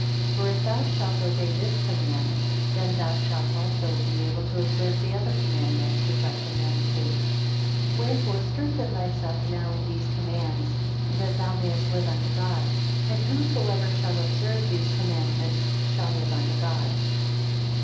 18. For if thou shalt obey this command, then thou shalt also be able to observe the other commandments which I shall command thee. 19 Wherefore strengthen thyself now in these commands, that then mayest live unto God. And whosoever shall observe these commandments shall live unto God.